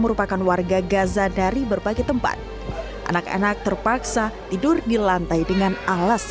merupakan warga gaza dari berbagai tempat anak anak terpaksa tidur di lantai dengan alas